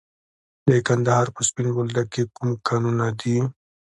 د کندهار په سپین بولدک کې کوم کانونه دي؟